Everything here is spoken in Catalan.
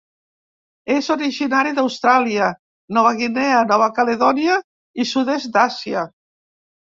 És originari d'Austràlia, Nova Guinea, Nova Caledònia i el sud-est d'Àsia.